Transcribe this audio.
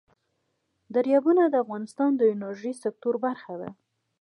دریابونه د افغانستان د انرژۍ سکتور برخه ده.